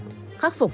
khắc phục dịch bệnh